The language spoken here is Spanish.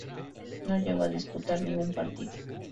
No llegó a disputar ningún partido.